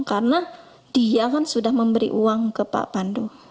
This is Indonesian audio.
karena dia kan sudah memberi uang ke pak pandu